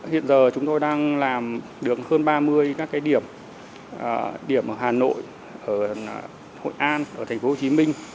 hiện giờ chúng tôi đang làm được hơn ba mươi các cái điểm điểm ở hà nội hội an tp hcm